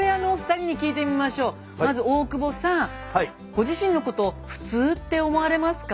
ご自身のこと普通って思われますか？